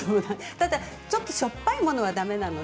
ただちょっとしょっぱいものはだめです。